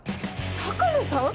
鷹野さん！？